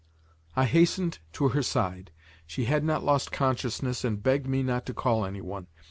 I hastened to her side; she had not lost consciousness and begged me not to call any one.